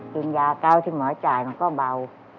กินยาเก้าที่หมอจ่ายมันก็เบา